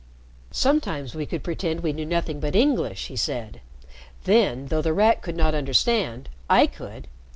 "Sometimes we could pretend we knew nothing but English," he said. "Then, though The Rat could not understand, I could.